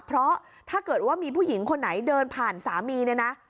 เพราะถ้าเกิดว่ามีผู้หญิงคนไหนเดินผ่านสามีเนี่ยนะ